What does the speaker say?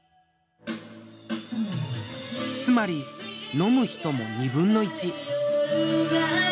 つまり飲む人も２分の１。